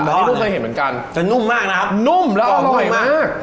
อันนี้เพิ่งเคยเห็นเหมือนกันจะนุ่มมากนะครับนุ่มแล้วก็อร่อยมาก